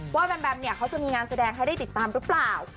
แบมแบมเนี่ยเขาจะมีงานแสดงให้ได้ติดตามหรือเปล่า